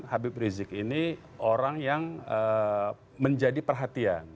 habib rizik ini orang yang menjadi perhatian